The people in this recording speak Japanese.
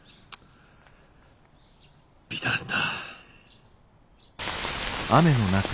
美談だ。